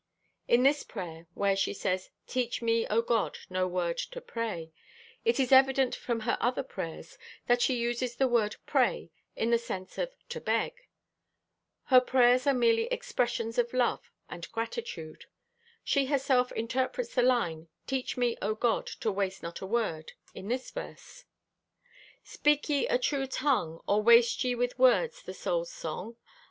In this prayer, where she says "Teach me, O God, no word to pray," it is evident from her other prayers that she uses the word pray in the sense of "to beg." Her prayers are merely expressions of love and gratitude. She herself interprets the line, "Teach me, O God, to waste not word," in this verse: Speak ye a true tongue, Or waste ye with words the Soul's song?